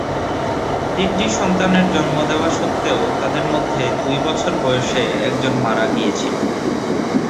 তিনটি সন্তানের জন্ম দেওয়া সত্ত্বেও, তাদের মধ্যে দুই বছর বয়সে একজন মারা গিয়েছিল।